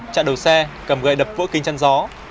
chạy đầu xe cầm gậy đập vỗ kính chăn gió